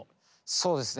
そうですね。